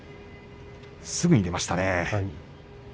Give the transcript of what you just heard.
すぐに出ましたね。